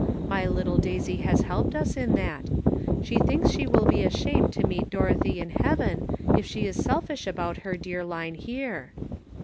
My little Daisy has helped us in that ; she thinks she will be ashamed to meet Dorothy in heaven if she is selfish about her dear Line here."